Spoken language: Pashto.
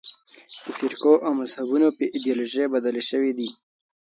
د فرقو او مذهبونو په ایدیالوژۍ بدلې شوې دي.